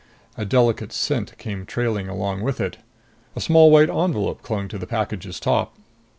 A delicate scent came trailing along with it. A small white envelope clung to the package's top.